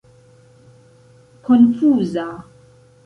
konfuza